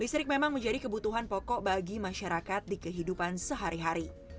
listrik memang menjadi kebutuhan pokok bagi masyarakat di kehidupan sehari hari